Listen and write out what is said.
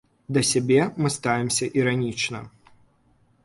Да сябе мы ставімся іранічна.